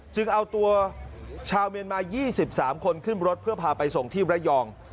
จึงเอาตัวชาวเมียนมา๒๓คนขึ้นรถเพื่อพาไปส่งที่ระยอง